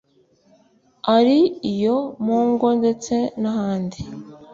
ari iyo mu ngo ndetse n’ahandi,